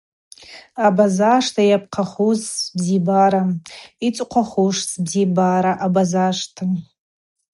Абазашта – йапхъахуз сбзибара, йцӏыхъвахуш сбзибара – Абазашта.